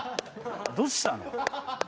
どうしたの？